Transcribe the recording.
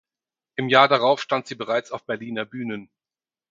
Im Jahr darauf stand sie bereits auf Berliner Bühnen.